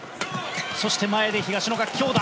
そして前で東野が強打。